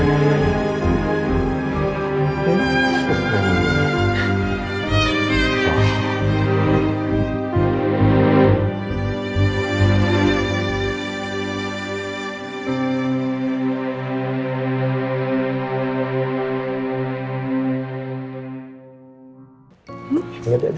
eh aku jatah